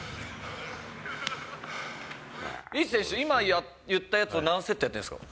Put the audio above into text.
リーチ選手、今言ったやつを何セットやってるんですか？